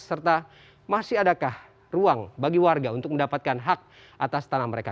serta masih adakah ruang bagi warga untuk mendapatkan hak atas tanah mereka